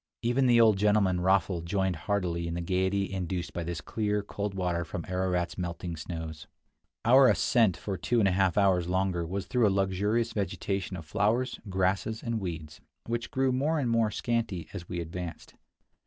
Even the old gentleman, Raffl, joined heartily in the gaiety induced by this clear, cold water from Ararat's melting snows. Our ascent for two and a half hours longer was through a luxuriant vegetation of flowers, grasses, and weeds, which grew more and more scanty as we advanced.